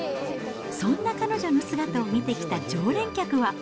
そんな彼女の姿を見てきた常連客は。